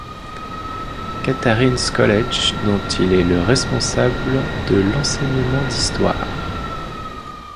Catharine's College, dont il est le responsable de l'enseignement d'histoire.